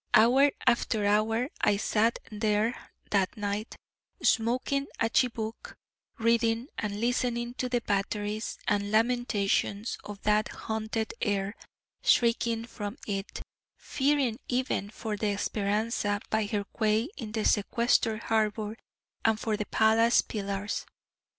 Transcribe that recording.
Hour after hour I sat there that night, smoking a chibouque, reading, and listening to the batteries and lamentations of that haunted air, shrinking from it, fearing even for the Speranza by her quay in the sequestered harbour, and for the palace pillars.